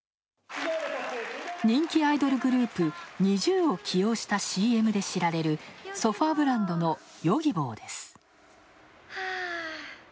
人気アイドルグループ、ＮｉｚｉＵを起用したＣＭで知られるソファーブランドのヨギボーです。